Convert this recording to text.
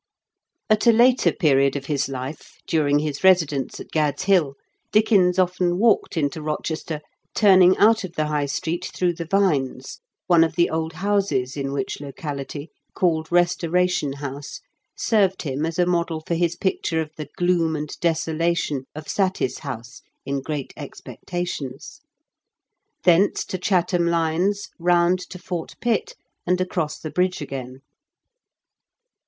At a later period of his life, (luring his residence at Gad's Hill, Dickens often walked into Kochester, turning out of the High Street through the Vines, one of the old houses in which locality, called Kestoration House, served him as a model for his picture of the gloom and desolation of Satis House, in Great Expectations ; thence to Chatham lines, round to Fort Pitt, and across the bridge again.